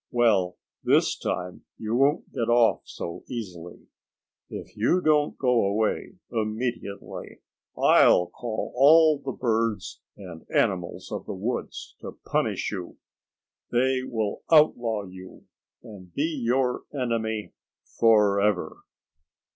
"Well, this time you won't get off so easily. If you don't go away immediately, I'll call all the birds and animals of the woods to punish you. They will outlaw you, and be your enemy forever."